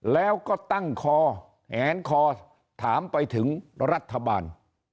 แล้วก็ตั้งคอแหนคอถามไปถึงรัฐบาล